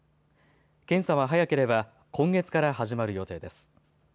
検査は早ければ今月から始まる予定です。